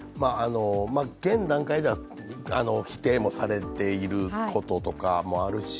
現段階では否定もされていることとかもあるし、